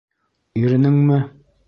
Иренеңме?